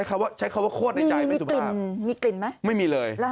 อร่อยมากใช้คำว่าโคตรในใจไม่ถูกภาพมีกลิ่นไหมไม่มีเลย